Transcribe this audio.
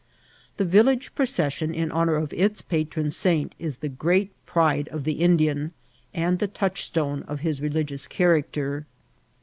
The village procession in honour of its patron saint is the great pride of the Indian, and the touchstone of his religious charetcter.